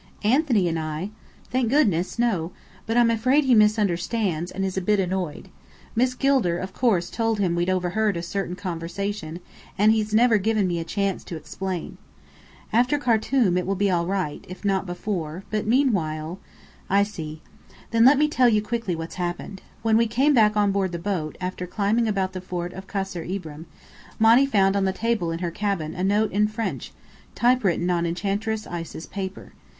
"Anthony and I! Thank goodness, no. But I'm afraid he misunderstands, and is a bit annoyed. Miss Gilder of course told him we'd overheard a certain conversation, and he's never given me a chance to explain. After Khartum it will be all right, if not before, but meanwhile " "I see. Then let me tell you quickly what's happened. When we came back on board the boat, after climbing about the fort of Kasr Ibrim, Monny found on the table in her cabin a note in French, typewritten on Enchantress Isis paper.